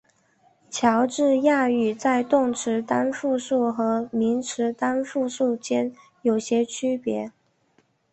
乔治亚语在动词单复数和名词单复数间有些区别。